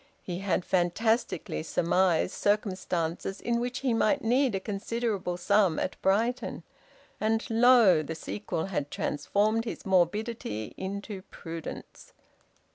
He had fantastically surmised circumstances in which he might need a considerable sum at Brighton. And lo! the sequel had transformed his morbidity into prudence.